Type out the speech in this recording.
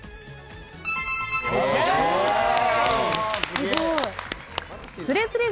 すごい。